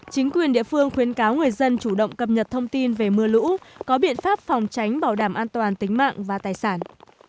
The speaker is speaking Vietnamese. chính quyền địa phương khuyến cáo người dân chủ động cập nhật thông tin về mưa lũ có biện pháp phòng tránh bảo đảm an toàn tính mạng và tài sản